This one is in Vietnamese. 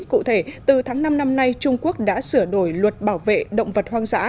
cụ thể từ tháng năm năm nay trung quốc đã sửa đổi luật bảo vệ động vật hoang dã